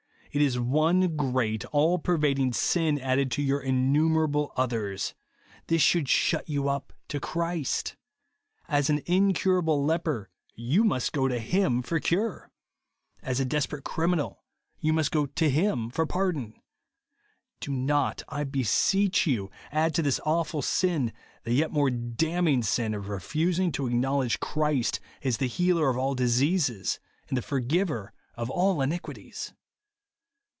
It is one great all pervading sin added to your innumer *4ble others. This should shut you up to Christ. As an incurable leper you must go to him for cure. As a desperate criminal, you must go to him for pardon. Do not, I beseech you, add to this awful sin, the yet more damning sin of refusing to ac knowledge Christ as the healer of all dis eases, and the forgiver of all iniquities.